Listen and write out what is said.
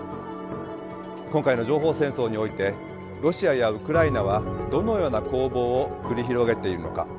今回の情報戦争においてロシアやウクライナはどのような攻防を繰り広げているのか。